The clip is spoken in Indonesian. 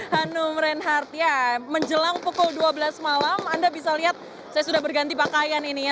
hanum reinhardt ya menjelang pukul dua belas malam anda bisa lihat saya sudah berganti pakaian ini ya